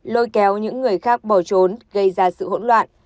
lôi kéo những người khác bỏ trốn gây ra sự hỗn loạn